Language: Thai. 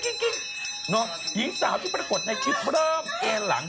หญิงสาวที่ปรากฏในคลิปเริ่มเอ็นหลัง